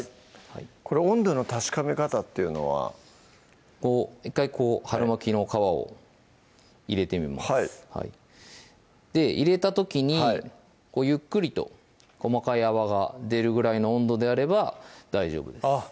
これ温度の確かめ方っていうのは１回こう春巻きの皮を入れてみます入れた時にゆっくりと細かい泡が出るぐらいの温度であれば大丈夫ですあっ